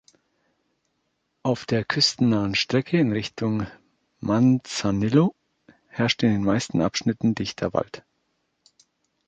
Auf der küstennahen Strecke in Richtung Manzanillo herrscht in den meisten Abschnitten dichter Wald.